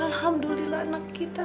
aduh pa alhamdulillah anak kita